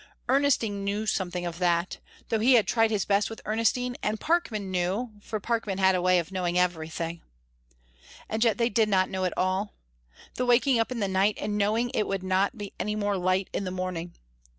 Ernestine knew something of that though he had tried his best with Ernestine, and Parkman knew, for Parkman had a way of knowing everything. And yet they did not know it all. The waking up in the night and knowing it would not be any more light in the morning!